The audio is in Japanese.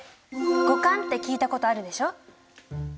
五感って聞いたことあるでしょ？